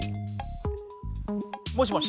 もしもし。